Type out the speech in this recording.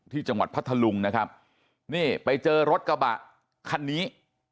ที่จังหวัดพัทธลุงนะครับนี่ไปเจอรถกระบะคันนี้